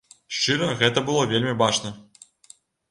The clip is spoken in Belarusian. Шчыра, гэта было вельмі бачна.